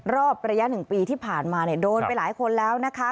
รอบระยะ๑ปีที่ผ่านมาโดนไปหลายคนแล้วนะคะ